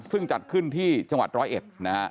ซึ่งจัดขึ้นที่จังหวัดร้อยเอ็ดนะฮะ